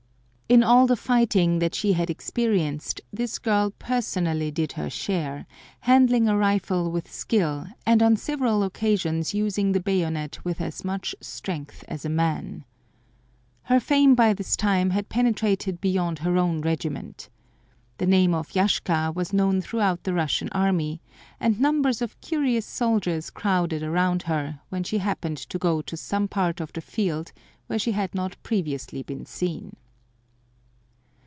In all the fighting that she had experienced this girl personally did her share, handling a rifle with skill and on several occasions using the bayonet with as much strength as a man. Her fame by this time had penetrated beyond her own regiment. The name of Yashka was known throughout the Russian army, and numbers of curious soldiers crowded around her when she happened to go to some part of the field where she had not previously been seen.